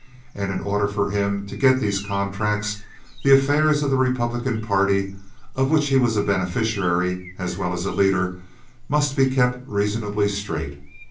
And in order for him to get these contracts the affairs of the Republican party, of which he was a beneficiary as well as a leader, must be kept reasonably straight.